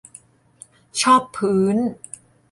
ชอบพื้น